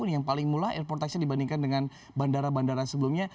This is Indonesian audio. yang paling mula airport taction dibandingkan dengan bandara bandara sebelumnya